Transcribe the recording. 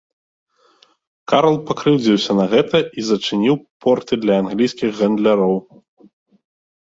Карл пакрыўдзіўся на гэта і зачыніў порты для англійскіх гандляроў.